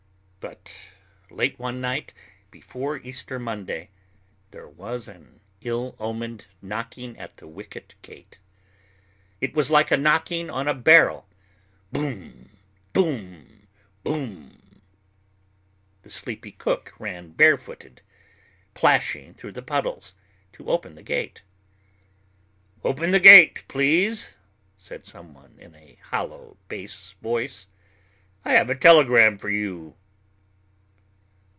But late one night, before Easter Monday, there was an ill omened knocking at the wicket gate. It was like a knocking on a barrel boom, boom, boom! The sleepy cook ran barefooted, plashing through the puddles, to open the gate. "Open the gate, please," said some one in a hollow bass voice. "I have a telegram for you."